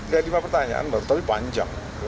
ya lima pertanyaan baru tapi panjang